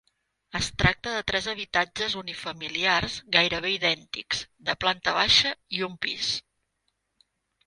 Es tracta de tres habitatges unifamiliars gairebé idèntics, de planta baixa i un pis.